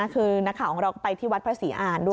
คือนักข่าวของเราไปที่วัดพระศรีอ่านด้วย